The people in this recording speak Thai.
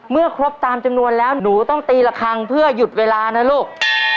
เมื่อครบตามจำนวนแล้วหนูต้องตีละครั้งเพื่อหยุดเวลานะลูก